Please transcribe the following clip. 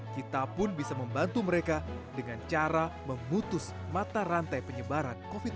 kita pun bisa membantu mereka dengan cara memutus mata rantai penyebaran covid sembilan belas